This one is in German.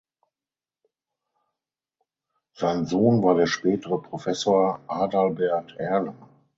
Sein Sohn war der spätere Professor Adalbert Erler.